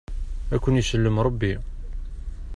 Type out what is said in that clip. Ad ken-isellem Rebbi.